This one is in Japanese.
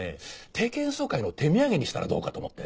定期演奏会の手土産にしたらどうかと思って。